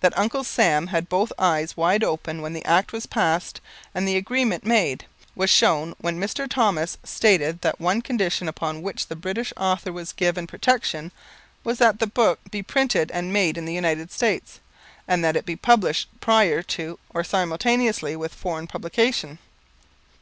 That Uncle Samuel had both eyes open when the Act was passed and the agreement made, was shown when Mr. Thomas stated that one condition upon which the British author was given protection was that the book be printed and made in the United States, and that it be published prior to or simultaneously with foreign publication.